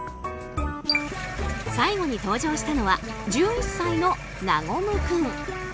最後に登場したのは１１歳のなごむ君。